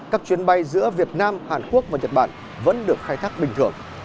các chuyến bay giữa việt nam hàn quốc và nhật bản vẫn được khai thác bình thường